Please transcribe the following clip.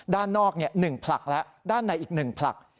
ด้านนอก๑ผลักแล้วด้านในอีก๑ผลัก